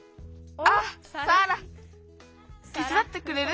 てつだってくれる？